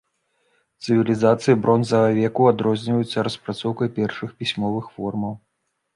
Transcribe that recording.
Цывілізацыі бронзавага веку адрозніваюцца распрацоўкай першых пісьмовых формаў.